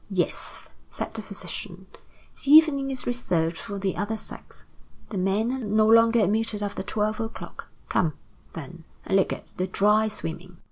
"Yes," said the physician; "the evening is reserved for the other sex. The men are no longer admitted after twelve o'clock. Come, then, and look at the dry swimming."